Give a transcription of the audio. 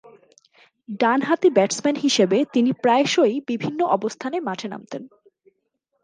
ডানহাতি ব্যাটসম্যান হিসেবে তিনি প্রায়শঃই বিভিন্ন অবস্থানে মাঠে নামতেন।